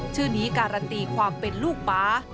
ชื่อนี้การันตีความเป็นลูกป๊า